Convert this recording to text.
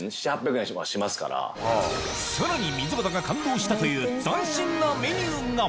さらに溝端が感動したという斬新なメニューが！